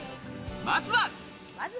まずは。